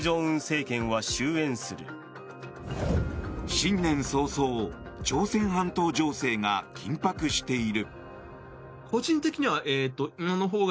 新年早々、朝鮮半島情勢が緊迫している。